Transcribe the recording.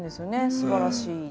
すばらしい。